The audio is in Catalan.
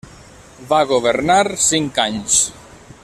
Va governar cinc anys.